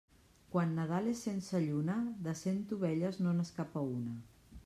Quan Nadal és sense lluna, de cent ovelles no n'escapa una.